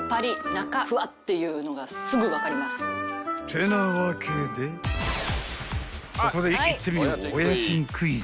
［てなわけでここでいってみよう］